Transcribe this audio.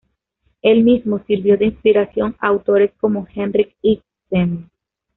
Él mismo sirvió de inspiración a autores como Henrik Ibsen.